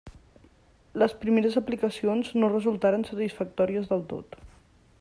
Les primeres aplicacions no resultaren satisfactòries del tot.